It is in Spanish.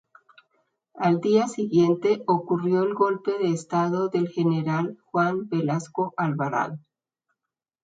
Al día siguiente ocurrió el golpe de Estado del general Juan Velasco Alvarado.